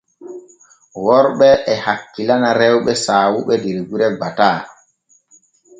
Worɓe e hakkilana rewɓe saawuɓe der gure gbataa.